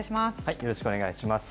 よろしくお願いします。